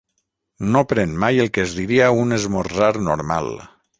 No pren mai el que es diria un 'esmorzar normal'.